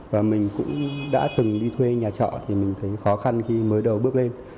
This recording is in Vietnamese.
và mình cũng đã từng đi thuê nhà trọ thì mình thấy khó khăn khi mới đầu bước lên